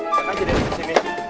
ayo aja deh disini